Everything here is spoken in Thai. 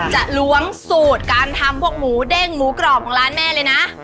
ล้วงสูตรการทำพวกหมูเด้งหมูกรอบของร้านแม่เลยนะ